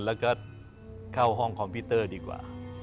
แล้วก็เข้าห้องคอมพิวเตอร์ดีกว่า